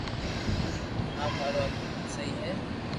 آپ ھارو آ بلڪول سھھي ھي